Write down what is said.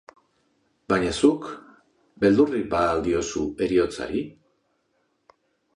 Baina zuk, beldurrik ba al diozu heriotzari?